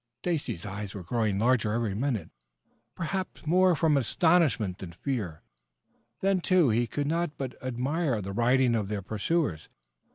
Stacy's eyes were growing larger every minute, perhaps more from astonishment than from fear. Then, too, he could not but admire the riding of their pursuers.